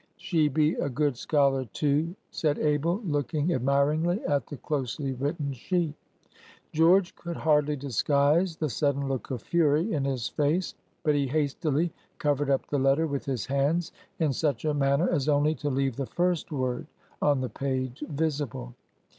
"She be a good scholar, too!" said Abel, looking admiringly at the closely written sheet. George could hardly disguise the sudden look of fury in his face, but he hastily covered up the letter with his hands in such a manner as only to leave the first word on the page visible.